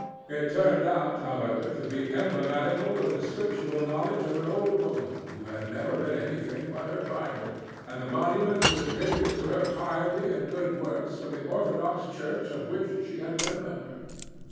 It turned out, however, to be emblematical of the scriptural knowledge of an old woman who had never read anything but her Bible, and the monument was a tribute to her piety and good works from the orthodox church of which she had been a member.